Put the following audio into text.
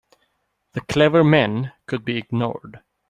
The clever men could be ignored.